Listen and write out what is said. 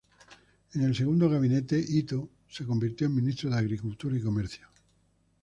En el segundo gabinete, Itō se convirtió en ministro de agricultura y comercio.